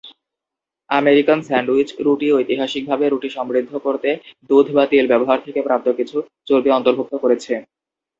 American sandwich রুটি ঐতিহাসিকভাবে রুটি সমৃদ্ধ করতে দুধ বা তেল ব্যবহার থেকে প্রাপ্ত কিছু চর্বি অন্তর্ভুক্ত করেছে।